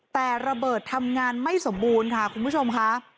แต่ระเบิดทำงานไม่สมบูรณ์ค่ะคุณผู้ชมค่ะ